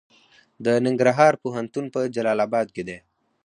د ننګرهار پوهنتون په جلال اباد کې دی